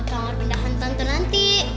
buat tangan pindahan tante nanti